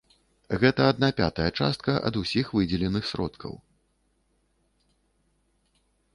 Гэта адна пятая частка ад усіх выдзеленых сродкаў.